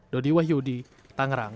dodi wahyudi tangerang